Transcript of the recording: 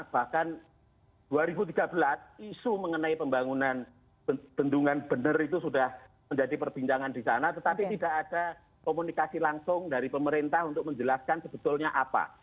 bahkan dua ribu tiga belas isu mengenai pembangunan bendungan bener itu sudah menjadi perbincangan di sana tetapi tidak ada komunikasi langsung dari pemerintah untuk menjelaskan sebetulnya apa